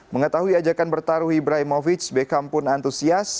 mengetahui ajakan bertarung ibrahimovic beckham pun antusias